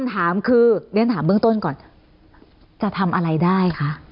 ชั้นถามเบื้องต้นก่อนจะทำอะไรได้ค่ะ